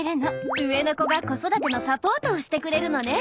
上の子が子育てのサポートをしてくれるのね。